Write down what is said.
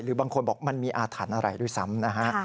หรือบางคนบอกว่ามันมีอาถรรภ์อะไรด้วยซ้ำ